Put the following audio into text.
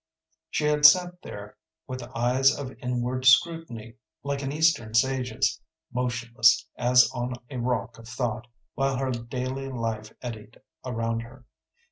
She had sat there with eyes of inward scrutiny like an Eastern sage's, motionless as on a rock of thought, while her daily life eddied around her.